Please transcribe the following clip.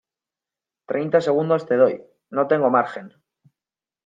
treinta segundos te doy. no tengo margen .